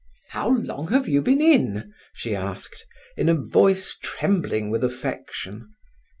"How long have you been in?" she asked, in a voice trembling with affection.